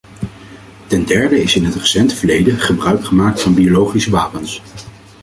Ten derde is in het recente verleden gebruik gemaakt van biologische wapens.